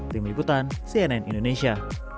tim liputan cnn indonesia